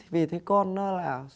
vì thấy con nó là